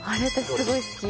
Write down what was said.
すごい好き